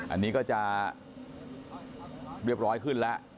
อันนี้ก็จะเรียบร้อยขึ้นแล้ว